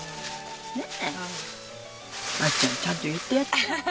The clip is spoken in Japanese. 亜由ちゃんちゃんと言ってやってよ。